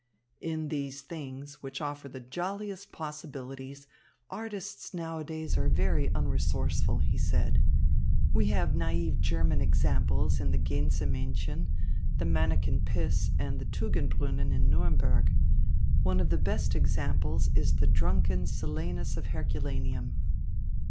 "In these things, which offer the jolliest possibilities, artists nowadays are very unresourceful," he said. "We have naïve German examples in the Gänsemännchen, the Männicken Piss, and the Tugendbrunnen in Nuremberg. One of the best classic examples is the drunken Silenus of Herculaneum.